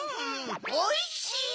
おいしい！